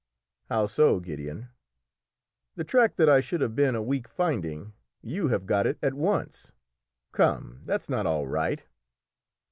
"How so, Gideon?" "The track that I should have been a week finding, you have got it at once. Come, that's not all right!"